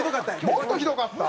もっとひどかった？